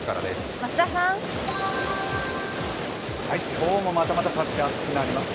今日もまたまた各地、暑くなります。